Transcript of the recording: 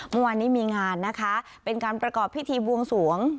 เมื่อวานนี้มีงานนะคะเป็นการประกอบพิธีบวงสวง